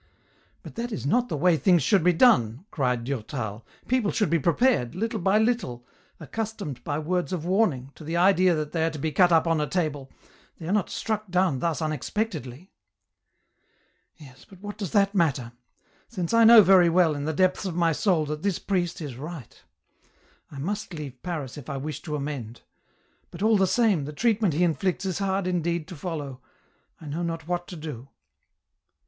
" But that is not the way things should be done," cried Durtal, " people should be prepared, little by little, accustomed by words of warning, to the idea that they are to be cut up on a table, they are not struck down thus unexpectedly ! "Yes, but what does that matter? since I know very well, in the depths of my soul, that this priest is right ; I must leave Paris if I wish to amend ; but all the same, the treatment he inflicts is hard indeed to follow ; I know not what to do."